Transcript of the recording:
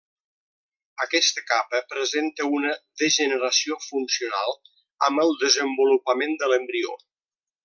Aquesta capa presenta una degeneració funcional amb el desenvolupament de l'embrió.